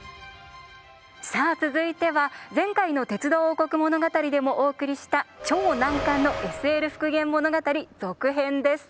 さあ続いては前回の「鉄道王国物語」でもお送りした超難関のＳＬ復元物語続編です。